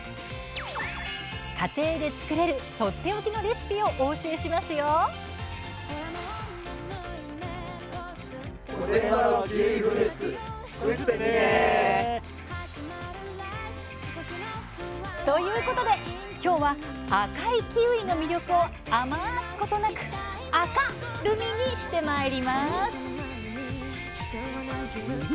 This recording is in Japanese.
家庭で作れるとっておきのレシピをお教えしますよ。ということで今日は赤いキウイの魅力をあますことなく「あかっ！」るみにしてまいります。